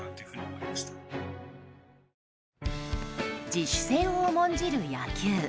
自主性を重んじる野球。